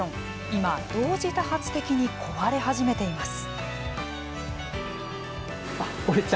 今、同時多発的に壊れ始めています。